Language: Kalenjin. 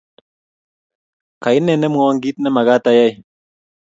Kaine memwowo kiit nemagat ayai?